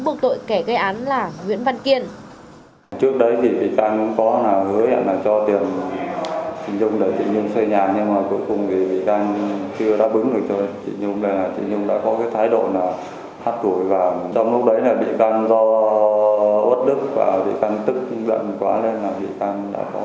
buộc tội kẻ gây án là nguyễn văn kiên